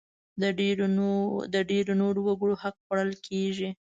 د ډېری نورو وګړو حق خوړل کېږي.